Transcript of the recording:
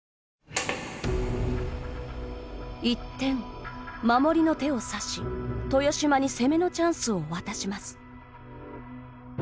一転、守りの手を指し豊島に攻めのチャンスを渡します。